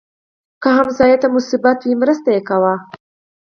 که ګاونډي ته مصیبت وي، مرسته کوه